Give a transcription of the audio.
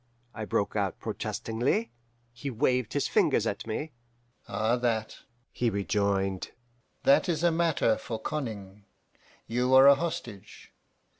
I broke out protestingly. "He waved his fingers at me. 'Ah, that,' he rejoined 'that is a matter for conning. You are a hostage.